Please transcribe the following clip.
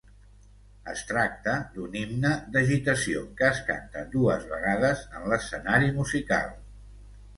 Es tracte d’un himne d'agitació que es canta dues vegades en l'escenari musical.